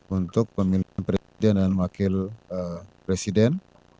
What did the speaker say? untuk pemilihan presiden dan wakil presiden